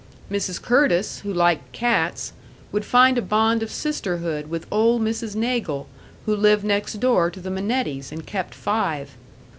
Mrs. Curtis, who liked cats, would find a bond of sisterhood with old Mrs. Nagle, who lived next door to the Minettis, and kept five!